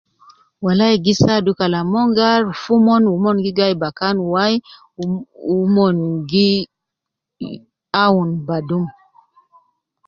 Walai gi saadu Kalam mon gi aruf omon wu mon gi gai bakan wai wu, wu mon gi, awun badum